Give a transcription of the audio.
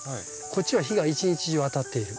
こっちは日が一日中当たっている。